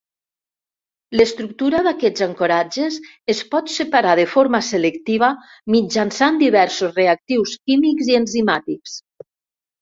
L'estructura d'aquests ancoratges es pot separar de forma selectiva mitjançant diversos reactius químics i enzimàtics.